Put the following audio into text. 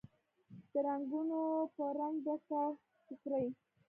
د رنګونوپه رنګ، ډکه ټوکرۍ